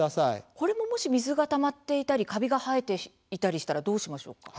これも、もし水がたまっていたりカビが生えていたりしたらどうしましょうか？